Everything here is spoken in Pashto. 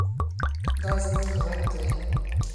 دا زموږ غږ دی.